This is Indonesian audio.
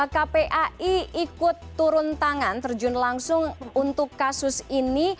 kpai ikut turun tangan terjun langsung untuk kasus ini